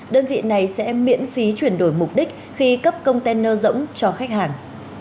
đơn vị này sẽ miễn phí chuyển đổi mục đích khi cấp container rỗng cho khách hàng